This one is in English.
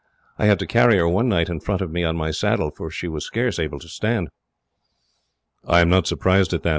I had to carry her one night, in front of me on my saddle, for she was scarce able to stand." "I am not surprised at that.